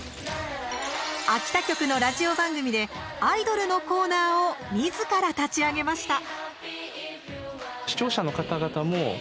秋田局のラジオ番組でアイドルのコーナーをみずから立ち上げました。